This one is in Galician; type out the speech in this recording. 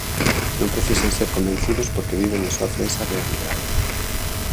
Non precisan ser convencidos porque viven e sofren esa realidade.